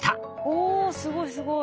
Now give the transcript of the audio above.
おすごいすごい。